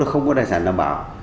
không có tài sản đảm bảo